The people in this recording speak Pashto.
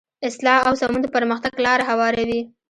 اصلاح او سمون د پرمختګ لاره هواروي.